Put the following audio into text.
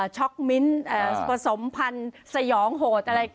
ช็อกมิ้นผสมพันธุ์สยองโหดอะไร